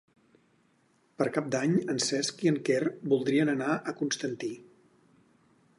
Per Cap d'Any en Cesc i en Quer voldrien anar a Constantí.